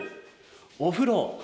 お風呂。